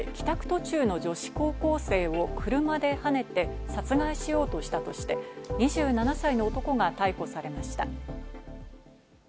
途中の女子高校生を車ではねて殺害しようとしたとして２７歳の男が逮捕されました。